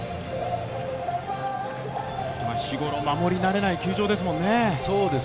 日頃、守り慣れない球場ですもんね